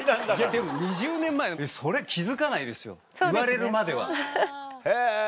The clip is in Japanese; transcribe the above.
でも２０年前それ気付かないですよ言われるまでは。へぇ。